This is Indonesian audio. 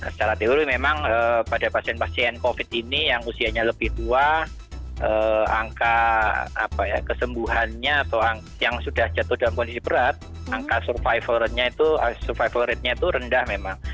secara teori memang pada pasien pasien covid ini yang usianya lebih tua angka kesembuhannya atau yang sudah jatuh dalam kondisi berat angka survival ratenya itu rendah memang